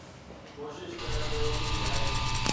ڪوشش ڪرڻ بيوقوفي آهي.